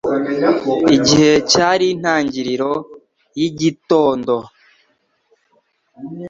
Igihe cyari intangiriro yigitondo